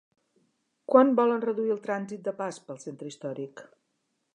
Quant volen reduir el trànsit de pas pel centre històric?